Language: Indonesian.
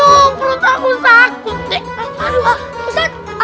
ustadz assalamualaikum ustadz